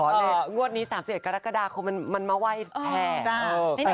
งวดนี้๓๑กรกฎาคมมันมาไหว้แพร